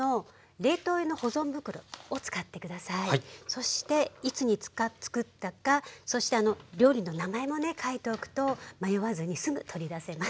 そしていつにつくったかそして料理の名前もね書いておくと迷わずにすぐ取り出せます。